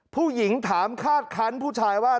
ผู้หญิงถามคาดคันผู้ชายว่า